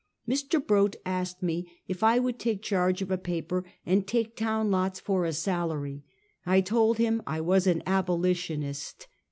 Mr. Brott asked me if I would take charge of a paper and take town lots for a salary. I told him I was an abolitionist.